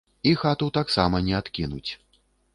І хату таксама не адкінуць.